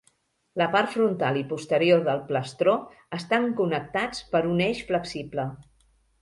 La part frontal i posterior del plastró estan connectats per un eix flexible.